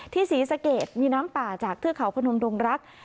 ศรีสะเกดมีน้ำป่าจากเทือกเขาพนมดงรัก